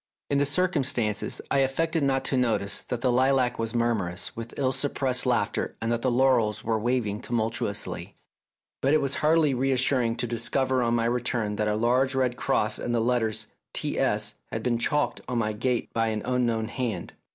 In the circumstances I affected not to notice that the lilac was murmurous with ill suppressed laughter and that the laurels were waving tumultuously ; but it was 154 THE DAY BEFORE YESTERDAY hardly reassuring to discover on my return that a large red cross and the letters T.S. had been chalked on my gate by an unknown hand.